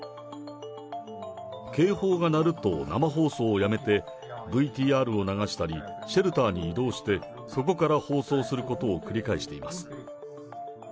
警報が鳴ると、生放送をやめて、ＶＴＲを流したり、シェルターに移動して、そこから放送することを繰り返しています。